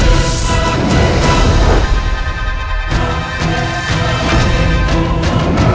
aku bisa tanpa perintahmu